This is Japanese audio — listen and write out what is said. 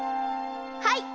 はい。